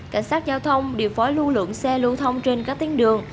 cảnh sát giao thông điều phối lưu lượng xe lưu thông trên các tuyến đường